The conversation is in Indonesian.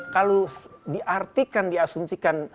kalau diartikan diasumsikan